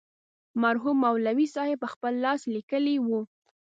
مرحوم مولوي صاحب پخپل لاس لیکلې وه.